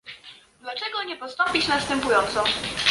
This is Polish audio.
Dlaczego nie postąpić następująco?